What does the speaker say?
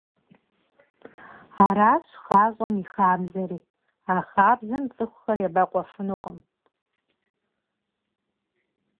Аращ гъащӀэм и хабзэри, а хабзэм цӀыхухэр ебэкъуэфынукъым.